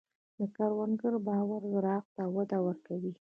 د کروندګر باور زراعت ته وده ورکوي.